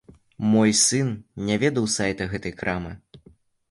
Мой сын не ведаў сайта гэтай крамы.